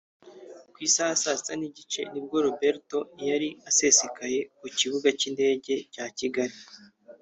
Ku isaha ya saa sita n’igice nibwo Roberto yari asesekaye ku kibuga cy’indege cya Kigali